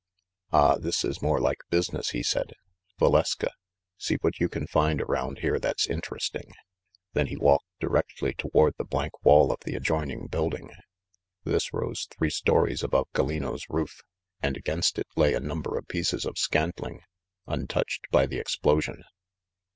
"Ah, this is more like business !" he said. "Valeska, see what you can find around here that's interesting." Then he walked directly toward the blank wall of the adjoining building. This rose three stories above Gal lino's roof, and against it lay a number of pieces of scantling, untouched by the explosion.